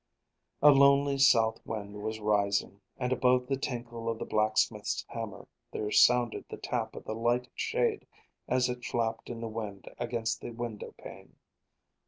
A lonely south wind was rising, and above the tinkle of the blacksmith's hammer there sounded the tap of the light shade as it flapped in the wind against the window pane.